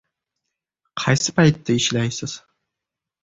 Qaysi paytda ishlaysiz?